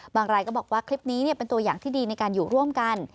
รายก็บอกว่าคลิปนี้เป็นตัวอย่างที่ดีในการอยู่ร่วมกัน